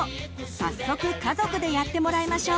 早速家族でやってもらいましょう！